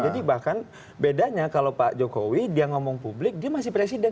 bahkan bedanya kalau pak jokowi dia ngomong publik dia masih presiden